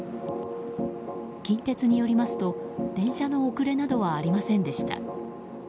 近鉄によりますと電車の遅れなどはありませんでした。